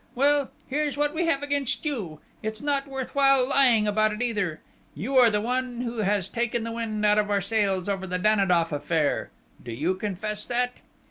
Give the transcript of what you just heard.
Well, here's what we have against you ... it's not worth while lying about it either!... You are the one who has taken the wind out of our sails over the Danidoff affair ... do you confess that?"